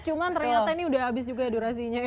cuma ternyata ini udah abis juga durasinya ya